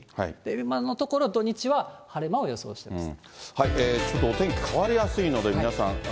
今のところ土日は晴れ間を予想してます。